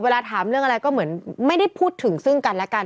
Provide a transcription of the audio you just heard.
ถามเรื่องอะไรก็เหมือนไม่ได้พูดถึงซึ่งกันและกัน